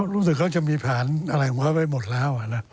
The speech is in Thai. รู้สึกเขาจะมีแผนอะไรไว้หมดแล้ว